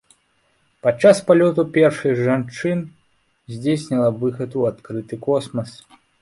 Падчас палёту першай з жанчын здзейсніла выхад у адкрыты космас.